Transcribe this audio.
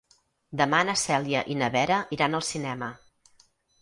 Demà na Cèlia i na Vera iran al cinema.